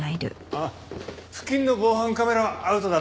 あっ付近の防犯カメラはアウトだった。